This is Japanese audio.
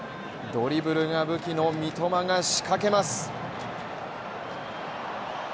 ドリブルが武器の三笘が仕掛けます。